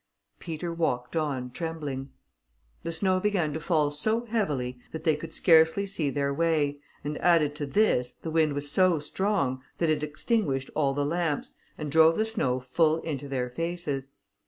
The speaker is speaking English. Peter walked on trembling. The snow began to fall so heavily, that they could scarcely see their way, and added to this, the wind was so strong, that it extinguished all the lamps, and drove the snow full into their faces.